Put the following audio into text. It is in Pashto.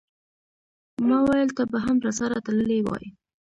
ماویل ته به هم راسره تللی وای.